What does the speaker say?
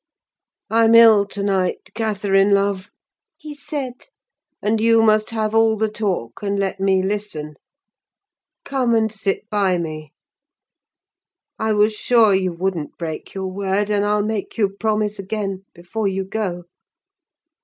"'I'm ill to night, Catherine, love,' he said; 'and you must have all the talk, and let me listen. Come, and sit by me. I was sure you wouldn't break your word, and I'll make you promise again, before you go.